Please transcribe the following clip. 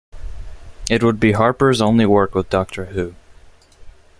It would be Harper's only work with "Doctor Who".